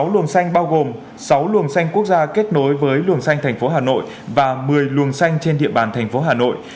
một mươi sáu luồng xanh bao gồm sáu luồng xanh quốc gia kết nối với luồng xanh tp hà nội và một mươi luồng xanh trên địa bàn tp hà nội